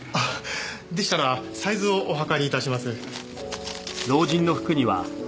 でしたらサイズをお測りいたします。